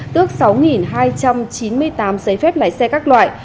tước sáu hai trăm chín mươi tám giấy phép lái xe các loại